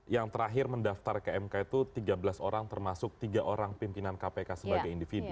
yang terakhir mendaftar ke mk itu tiga belas orang termasuk tiga orang pimpinan kpk sebagai individu